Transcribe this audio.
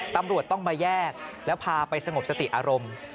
ตำรวจต้องมาแยกแล้วพาไปสงบสติอารมณ์